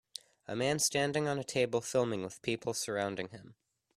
A man standing on a table filming with people surrounding him.